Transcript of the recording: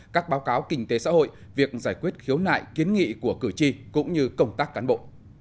các báo cáo kinh tế xã hội việc giải quyết khiếu nại kiến nghị của cử tri cũng như công tác cán bộ